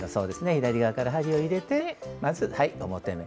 左側から針を入れてまず表目。